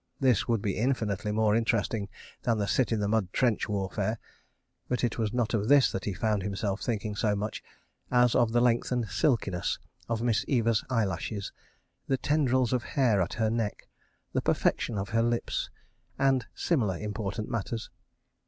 This would be infinitely more interesting than the sit in the mud trench warfare, but it was not of this that he found himself thinking so much as of the length and silkiness of Miss Eva's eyelashes, the tendrils of hair at her neck, the perfection of her lips, and similar important matters.